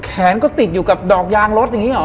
แขนก็ติดอยู่กับดอกยางรถอย่างนี้หรอ